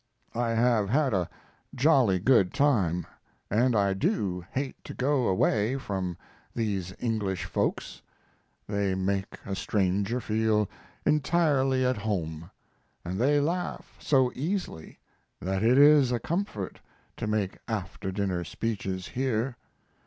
I have had a jolly good time, and I do hate to go away from these English folks; they make a stranger feel entirely at home, and they laugh so easily that it is a comfort to make after dinner speeches here.